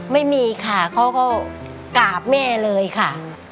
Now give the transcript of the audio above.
ไม่มีค่ะเขาก็กราบแม่เลยค่ะ